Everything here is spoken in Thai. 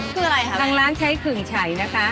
คืออะไรคะแม่ทางร้านใช้ขึ่งไฉนะคะ